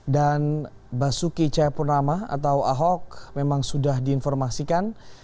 dan basuki cahayapurnama atau ahok memang sudah diinformasikan